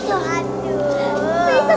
saya seslihatkan kue bentuk tikus